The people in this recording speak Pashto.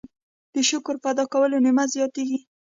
د شکر په ادا کولو نعمت زیاتیږي.